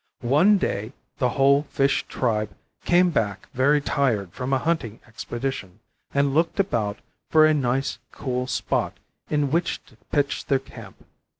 One day the whole fish tribe came back very tired from a hunting expedition, and looked about for a nice, cool spot in which to pitch their camp.